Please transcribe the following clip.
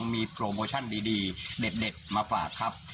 มีโปรโมชั่นดีเด็ดมาฝากครับ